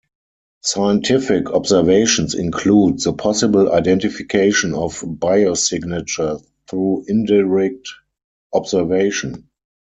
Scientific observations include the possible identification of biosignatures through indirect observation.